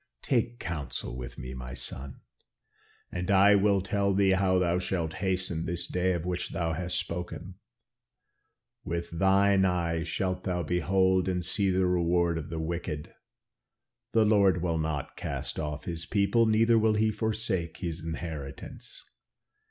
Take counsel with me, my son, and I will tell thee how thou shalt hasten this day of which thou hast spoken. 'With thine eyes shalt thou behold and see the reward of the wicked. The Lord will not cast off his people, neither will he forsake his inheritance.